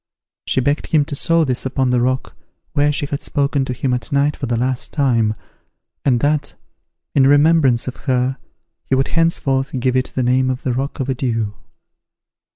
She begged him to sow this upon the rock where she had spoken to him at night for the last time, and that, in remembrance of her, he would henceforth give it the name of the Rock of Adieus.